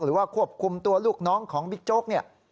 หรือว่าควบคุมตัวลูกน้องของบิ๊กโจ๊กนี่